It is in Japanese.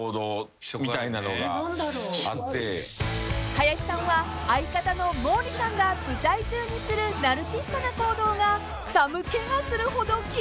［林さんは相方の毛利さんが舞台中にするナルシストな行動が寒気がするほど嫌いなそうで］